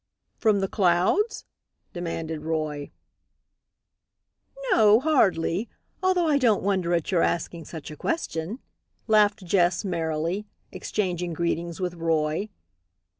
"From the clouds?" demanded Roy. "No, hardly, although I don't wonder at your asking such a question," laughed Jess, merrily, exchanging greetings with Roy.